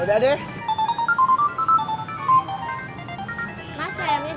gue ada di sini enggel banget intelligence wyatt